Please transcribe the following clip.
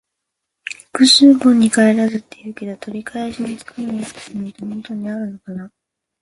「覆水盆に返らず」って言うけど、取り返しのつかないことなんて本当にあるのかな。